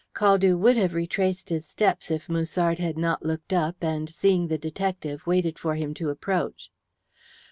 Caldew would have retraced his steps if Musard had not looked up, and, seeing the detective, waited for him to approach.